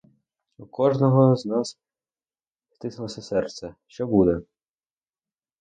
У кожного з нас стиснулося серце: що буде?